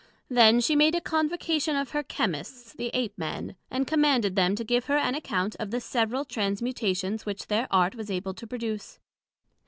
Then she made a Convocation of her Chymists, the Ape men; and commanded them to give her an account of the several Transmutations which their Art was able to produce.